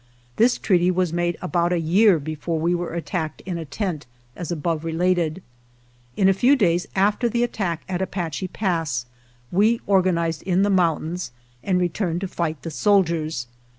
This treaty was made about a year before we were at tacked in a tent, as above related. In a few days after the attack at Apache Pass we or ganized in the mountains and returned to fight the soldiers.